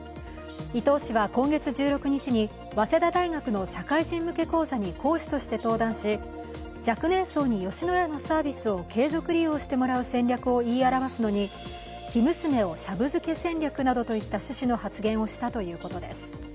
伊東氏は今月１６日に早稲田大学の社会人向け講座に講師として登壇し、若年層に吉野家のサービスを継続利用してもらう戦略を言い表すのに生娘をシャブ漬け戦略などといった趣旨の発言をしたということです。